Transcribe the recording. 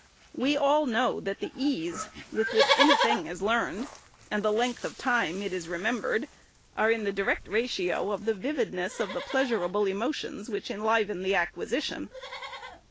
We all know, that the ease with which any thing is learned, and the length of time it is remembered, are in the direct ratio of the vividness of the pleasurable emo tions which enliven the acquisition.